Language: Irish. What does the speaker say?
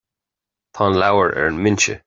Tá an leabhar ar an mbinse